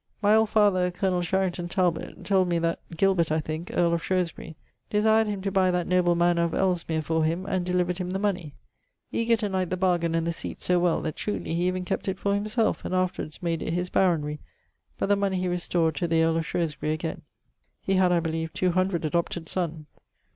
My old father, Colonel Sharington Talbot[LXXII.], told me that (Gilbert, I thinke), earle of Shrewesbury, desired him to buy that noble mannour of Ellesmer for him, and delivered him the money. Egerton liked the bargain and the seate so well, that truly he e'en kept it for himselfe, and afterwards made it his baronry, but the money he restored to the earl of Shrewsbury again. [LXXII.] He had, I believe, 200 adopted sonnes.